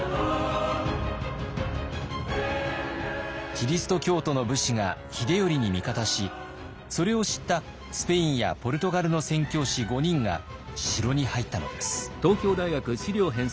キリスト教徒の武士が秀頼に味方しそれを知ったスペインやポルトガルの宣教師５人が城に入ったのです。